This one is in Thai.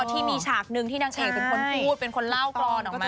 ที่มีฉากหนึ่งที่นางเอกเป็นคนพูดเป็นคนเล่ากรอนออกมา